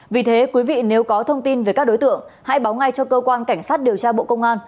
vì thế quý vị nếu có thông tin về các đối tượng hãy báo ngay cho cơ quan cảnh sát điều tra bộ công an